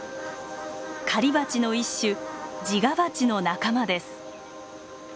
狩りバチの一種ジガバチの仲間です。